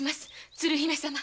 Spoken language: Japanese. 鶴姫様。